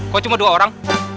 kok cuma dua orang